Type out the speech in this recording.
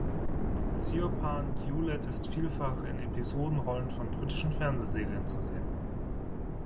Siobhan Hewlett ist vielfach in Episodenrollen von britischen Fernsehserien zu sehen.